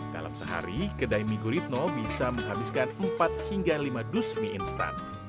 dalam sehari kedai mie guritno bisa menghabiskan empat hingga lima dus mie instan